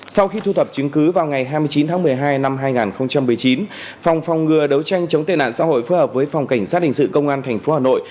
sau khi thu thập chứng cứ vào ngày hai mươi chín tháng một mươi hai năm hai nghìn một mươi chín phòng phòng ngừa đấu tranh chống tệ nạn xã hội phối hợp với phòng cảnh sát hình sự công an tp hà nội